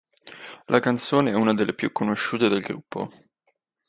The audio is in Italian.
La canzone è una delle più conosciute del gruppo.